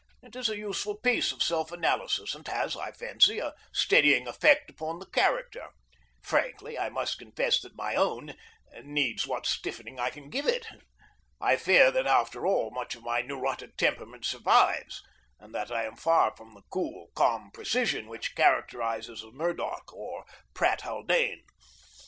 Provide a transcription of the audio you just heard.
It is a useful piece of self analysis, and has, I fancy, a steadying effect upon the character. Frankly, I must confess that my own needs what stiffening I can give it. I fear that, after all, much of my neurotic temperament survives, and that I am far from that cool, calm precision which characterizes Murdoch or Pratt Haldane.